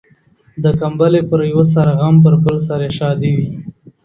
د کمبلي پر يوه سر غم ، پر بل سر يې ښادي وي.